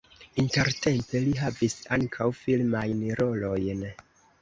Intertempe li havis ankaŭ filmajn rolojn.